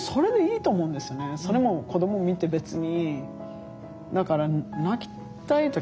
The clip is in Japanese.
それを子ども見て別に。